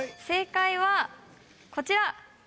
正解はこちら。